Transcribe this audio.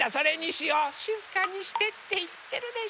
しずかにしてっていってるでしょ。